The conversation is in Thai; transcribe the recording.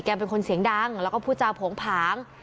เป็นคนเสียงดังแล้วก็พูดจาโผงผาง